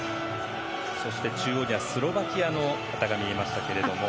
そして中央にはスロバキアの旗が見えましたが。